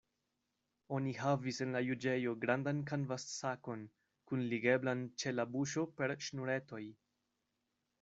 Oni havis en la juĝejo grandan kanvassakon, kunligeblan ĉe la buŝo per ŝnuretoj.